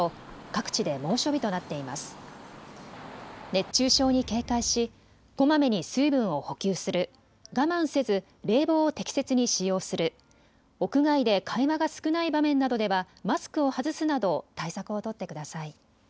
熱中症に警戒し、こまめに水分を補給する、我慢せず冷房を適切に使用する、屋外で会話が少ない場面などではマスクを外すなど対策を取ってください。